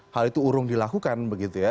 hal itu urung dilakukan begitu ya